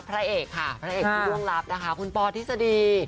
พระเอกค่ะพระเอกที่เรื่องลับคุณปอธิษฎี